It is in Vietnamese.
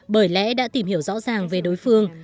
bởi lẽ đã tìm hiểu rõ ràng về đối phương